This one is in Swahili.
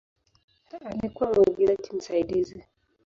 Alikuwa mwigizaji msaidizi.